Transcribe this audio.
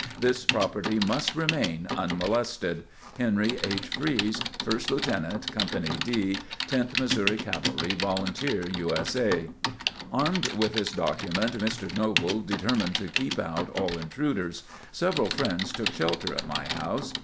This property must remain unmolested. HENRY H. FREESE, 1st Lieut Co. D. 10th Mo. Cavalry, Volunteer U. S. A. Armed with this document, Mr. Noble determined to keep out all intruders. Several friends took shelter at my house.